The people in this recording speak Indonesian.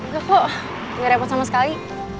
gak kok nggak repot sama sekali